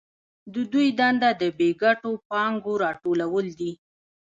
د دوی دنده د بې ګټو پانګو راټولول دي